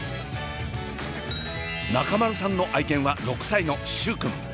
中丸さんの愛犬は６歳のシューくん。